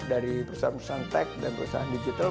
dari perusahaan perusahaan tech dan perusahaan digital